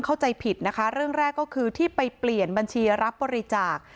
เข้าใจผิดนะคะเรื่องแรกก็คือที่ไปเปลี่ยนบัญชีรับบริจาค